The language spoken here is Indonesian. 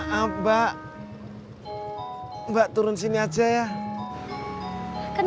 santim begini aja tumis